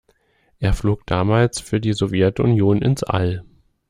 Er flog damals für die Sowjetunion ins All.